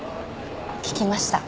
聞きました。